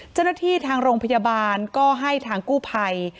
เจ้าหน้าที่ทางโรงพยาบาลก็ให้ทางกู้ภัย